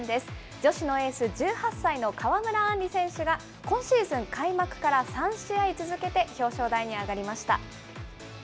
女子のエース、１８歳の川村あんり選手が、今シーズン開幕から３試合続けて表彰台に上がりました。